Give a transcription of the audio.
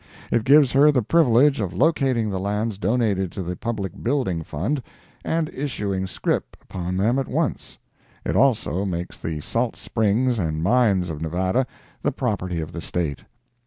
It gives her the privilege of locating the lands donated to the Public Building Fund, and issuing scrip upon them at once. It also makes the salt springs and mines of Nevada the property of the State.